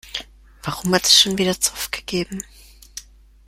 Warum hat es schon wieder Zoff gegeben?